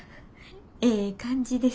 ええ感じです。